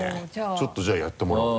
ちょっとじゃあやってもらおう。